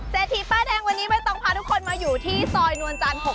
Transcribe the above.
เศรษฐีป้าแดงวันนี้ไม่ต้องพาทุกคนมาอยู่ที่ซอยนวลจัน๖๔